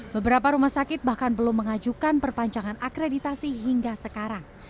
beberapa rumah sakit bahkan belum mengajukan perpanjangan akreditasi hingga sekarang